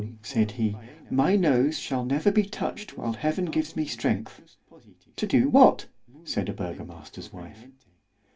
said he, my nose shall never be touched whilst Heaven gives me strength——To do what? said a burgomaster's wife.